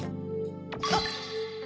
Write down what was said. あっ！